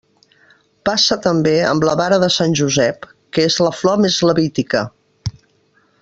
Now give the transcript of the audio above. Passa també amb la vara de Sant Josep, que és la flor més levítica.